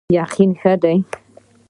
یقین ښه دی.